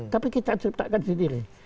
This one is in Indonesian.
tapi kita menciptakan sendiri